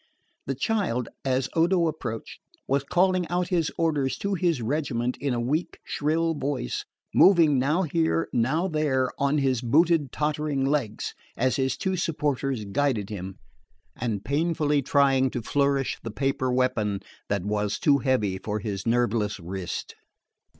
The child, as Odo approached, was calling out his orders to his regiment in a weak shrill voice, moving now here, now there on his booted tottering legs, as his two supporters guided him, and painfully trying to flourish the paper weapon that was too heavy for his nerveless wrist.